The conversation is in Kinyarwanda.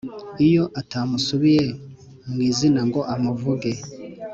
Iyo atamusubiye mu izina ngo amuvuge